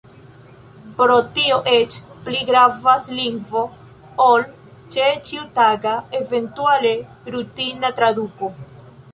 Pro tio eĉ pli gravas lingvo ol ĉe ĉiutaga, eventuale rutina traduko.